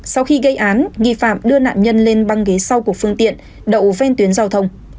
sau khi gây án nghi phạm đưa nạn nhân lên băng ghế sau của phương tiện đậu ven tuyến giao thông